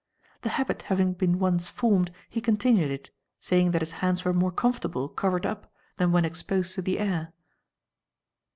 The habit having been once formed, he continued it, saying that his hands were more comfortable covered up than when exposed to the air."